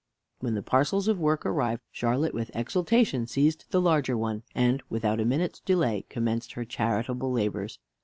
When the parcels of work arrived, Charlotte with exultation seized the larger one, and without a minute's delay commenced her charitable labors.